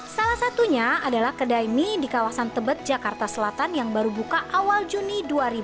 salah satunya adalah kedai mie di kawasan tebet jakarta selatan yang baru buka awal juni dua ribu dua puluh